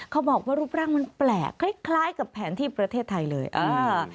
เขาบอกว่ารูปร่างมันแปลกคล้ายคล้ายกับแผนที่ประเทศไทยเลยอ่า